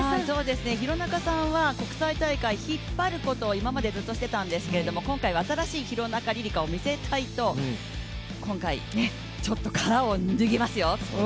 廣中さんは国際大会、引っ張ることを今までずっとしてたんですけど今回は新しい廣中璃梨佳を見せたいと今回、ちょっと殻を脱ぎますよ。